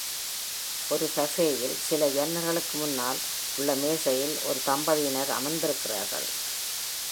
ஒரு கஃபேயில் சில ஜன்னல்களுக்கு முன்னால் உள்ள மேஜையில் ஒரு தம்பதியினர் அமர்ந்திருக்கிறார்கள்